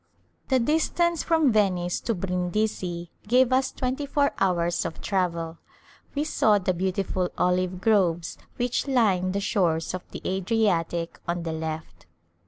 The distance from Venice to Brindisi gave us twenty four hours of travel. We saw the beautiful olive groves which line the shores of the Adriatic on the left.